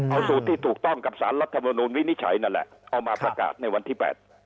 เอาสูตรที่ถูกต้องกับสารรัฐมนุนวินิจฉัยนั่นแหละเอามาประกาศในวันที่๘